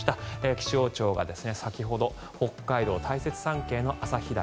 気象庁が先ほど北海道・大雪山系の旭岳。